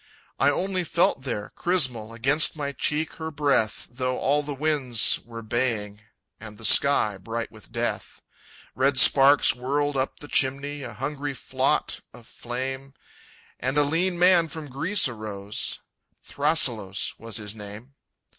I only felt there, chrysmal, Against my cheek her breath, Though all the winds were baying, And the sky bright with Death._ Red sparks whirled up the chimney, A hungry flaught of flame, And a lean man from Greece arose; Thrasyllos was his name.